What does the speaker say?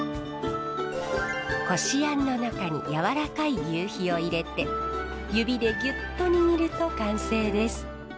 こしあんの中にやわらかいぎゅうひを入れて指でぎゅっと握ると完成です。